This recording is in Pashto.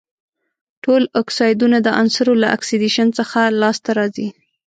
ټول اکسایدونه د عناصرو له اکسیدیشن څخه لاس ته راځي.